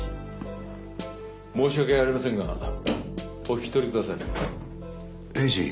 申し訳ありませんがお引き取りください。